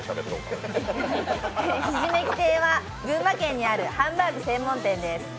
ひしめき亭は群馬県にあるハンバーグ専門店です。